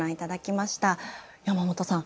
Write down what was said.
山本さん